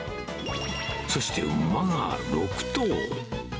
そして馬が６頭。